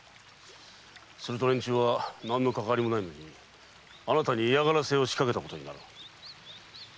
すると連中は何のかかわりもないのにあなたに嫌がらせを仕掛けたことになる。